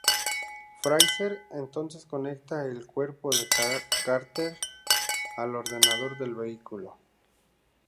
Fraiser entonces conecta el cuerpo de Carter al ordenador del vehículo.